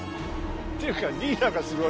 っていうかリーダーがすごい。